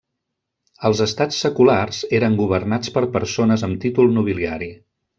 Els Estats seculars eren governats per persones amb títol nobiliari.